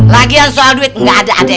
lagian soal duit gak ada adek adek